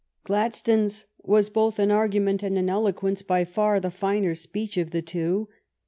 Gladstones was, both in argument and in eloquence, by far the finer speech of the two.